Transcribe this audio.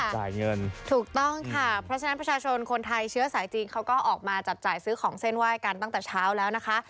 จ่ายเงินถูกต้องค่ะเพราะฉะนั้นประชาชนคนไทยเชื้อสายจีนเขาก็ออกมาจับจ่ายซื้อของเส้นไหว้กันตั้งแต่เช้าแล้วนะคะ